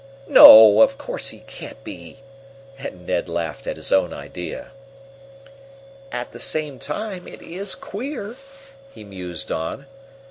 No, of Course he can't be!" and Ned laughed at his own idea. "At the same time, it is queer," he mused on.